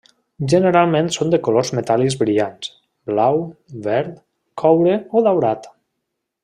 Generalment són de colors metàl·lics brillants, blau, verd, coure o daurat.